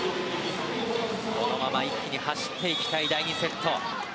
このまま一気に走っていきたい第２セット。